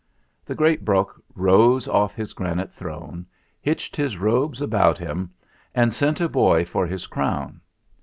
The great Brok rose off his granite throne, hitched his robes about him, and sent a boy for his crown.